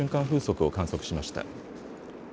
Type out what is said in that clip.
風速を観測しました。